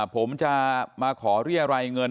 ผมจะมาขอเรียรายเงิน